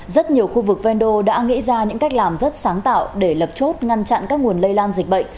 rất nhiều khu vực ven đô đã nghĩ ra những cách làm rất sáng tạo để lập chốt ngăn chặn các nguồn lây lan dịch bệnh